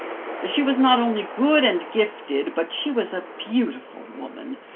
She was not only good and gifted, but she was a beautiful woman.